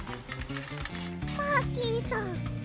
マーキーさん。